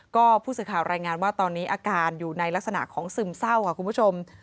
ก็ผู้สื่อข่าวรายงานว่าตอนนี้อาการอยู่ในลักษณะของซึมเศร้าค่ะคุณผู้ชม